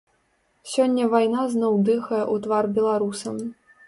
Сёння вайна зноў дыхае ў твар беларусам.